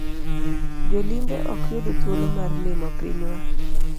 Jolimbe ok yud thuolo mar limo pinywa.